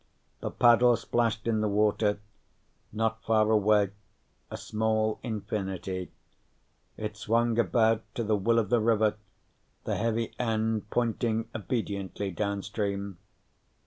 The paddle splashed in the water. Not far away: a small infinity. It swung about to the will of the river, the heavy end pointing, obediently downstream.